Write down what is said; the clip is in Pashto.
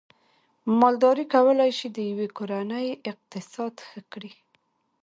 مالداري کولای شي د یوې کورنۍ اقتصاد ښه کړي